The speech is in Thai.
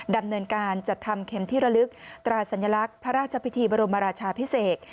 ดำเนินการจัดทำเข็มที่ระลึกตราสัญลักษณ์พระราชพิธีบรมราชาพิเศษ